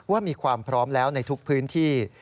มีความพร้อมแล้วในทุกพื้นที่